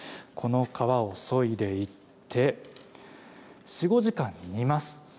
この皮を、そいでいって４５時間、煮ます。